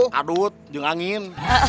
kadut jeng angin